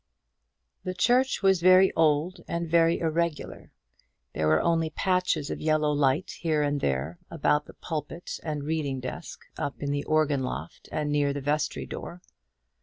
The church was very old and very irregular. There were only patches of yellow light here and there, about the pulpit and reading desk, up in the organ loft, and near the vestry door.